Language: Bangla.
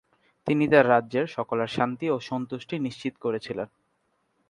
তিনি তার রাজ্যের সকলের শান্তি ও সন্তুষ্টি নিশ্চিত করেছিলেন।